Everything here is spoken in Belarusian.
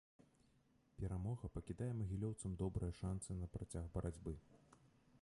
Перамога пакідае магілёўцам добрыя шанцы на працяг барацьбы.